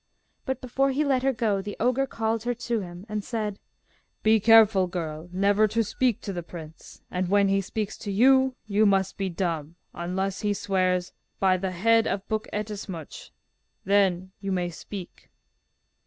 But before he let her go the ogre called her to him, and said, 'Be careful, girl, never to speak to the prince; and when he speaks to you, you must be dumb, unless he swears "by the head of Buk Ettemsuch." Then you may speak.